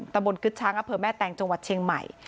ตำบลกึ๊ดช้างอาเผยแม่แตงจังหวัดเชียงใหม่